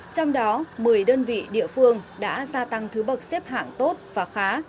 trong đó một mươi đơn vị địa phương đã gia tăng thứ bậc xếp hạng tốt và khá